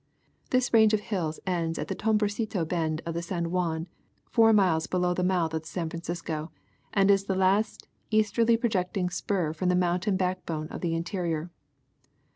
This range of hills ends at the Tamborcito bend of the San Juan, four miles below the mouth of the San Francisco, and is the last easterlj^ projecting spur from the mountain backbone of the interior.